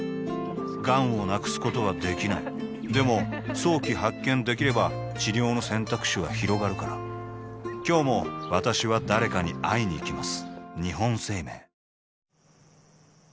がんを無くすことはできないでも早期発見できれば治療の選択肢はひろがるから今日も私は誰かに会いにいきます